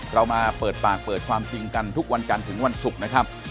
เรามาเปิดปากเปิดความจริงกันทุกวันจันทร์ถึงวันศุกร์นะครับ